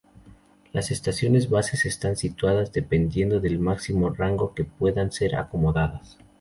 Las estaciones bases están situadas dependiendo del máximo rango en que puedan ser acomodadas.